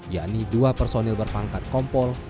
yakni dua personil berpangkat kompol